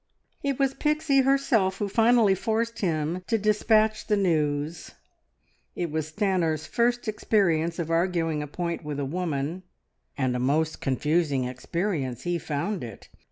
It was Pixie herself who finally forced him to dispatch the news. It was Stanor's first experience of arguing a point with a woman, and a most confusing experience he found it.